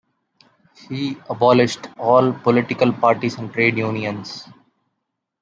He abolished all political parties and trade unions.